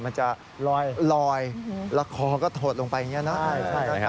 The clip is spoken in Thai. มันจะลอยละคอก็ถดลงไปอย่างนี้นะ